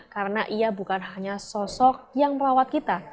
karena ia bukan hanya sosok yang merawat kita